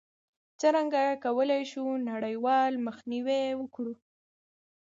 څرنګه کولای شو نړیوال مخنیوی وکړو؟